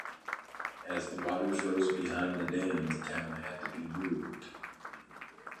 As the waters rose behind the dam, the town had to be moved.